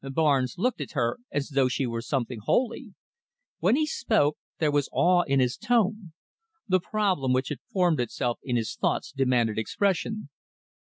Barnes looked at her as though she were something holy. When he spoke, there was awe in his tone. The problem which had formed itself in his thoughts demanded expression.